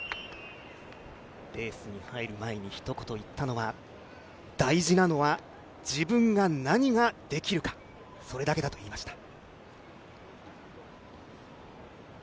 レースに入る前にひと言言ったのは、大事なのは自分が何ができるかそれだけだと言いました。